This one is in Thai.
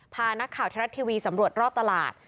พานักข่าวไทยรัฐทีวีสำรวจรอบตลาด